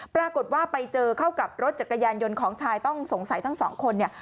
ปรากฏว่าไปเจอเข้ากับรถจักรยานยนต์ของชายต้องสงสัยทั้งสองคนเนี่ย